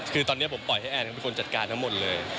คือตอนนี้ผมปล่อยให้แอนเป็นคนจัดการทั้งหมดเลย